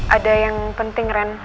ada yang penting ren